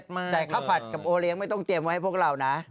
แต่ข้าวผัดกับโอเลี้ยงไม่ต้องเตรียมไว้ให้พวกเรานะ